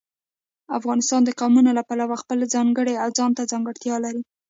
افغانستان د قومونه له پلوه خپله ځانګړې او ځانته ځانګړتیا لري.